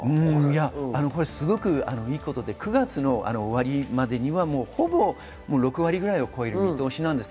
９月の終わりまでには、ほぼ６割ぐらいを超える見通しです。